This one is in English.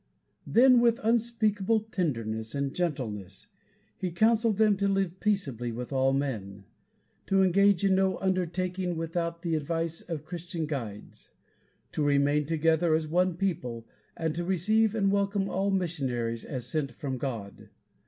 Then, with unspeakable tenderness and gentleness, he counseled them to live peaceably with all men, to engage in no undertaking without the advice of Christian guides, to remain together as one people, and to receive and welcome all missionaries as sent from God.